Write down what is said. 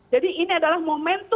jadi ini adalah momentum